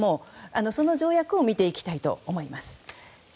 その条約を見ていきたいと思います。